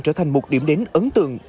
trở thành một điểm đến ấn tượng